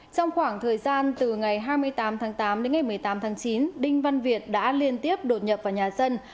trong khoảng thời gian từ ngày hai mươi tám tháng tám đến ngày một mươi tám tháng chín đinh văn việt đã liên tiếp đột nhập vào nhà dân